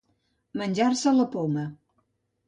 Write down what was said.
Menjar-se la poma.